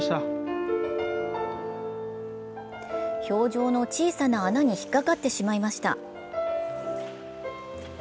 氷上の小さな穴に引っ掛かってしまいました。